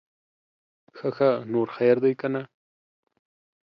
ښه ښه, نور خير دے که نه؟